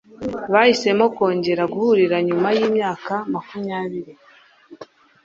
Bahisemo kongera guhurira nyuma yimyaka makumyabiri.